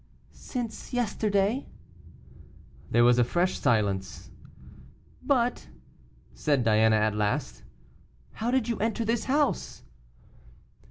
"Since yesterday." There was a fresh silence. "But," said Diana at last, "how did you enter this house?"